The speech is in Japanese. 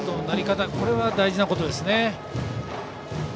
これが大事なことですね。